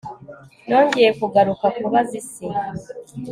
nongeye kugaruka kubaza isi